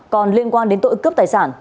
còn liên quan đến tội cướp tài sản